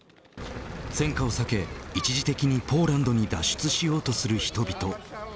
戦禍を避け、一時的にポーランドに脱出しようとする人々。